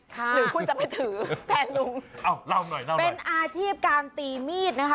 หรือคุณจะไปถือแฟนลุงเอาเล่าหน่อยเล่าเป็นอาชีพการตีมีดนะคะ